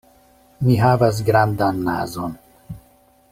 Mi havas grandan nazon.